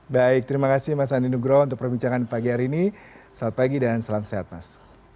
baik terima kasih mas andi nugro untuk perbincangan pagi hari ini selamat pagi dan salam sehat mas